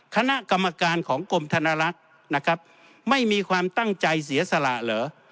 คณะกรรมการของกรมธนลักษณ์นะครับไม่มีความตั้งใจเสียสละเหรอ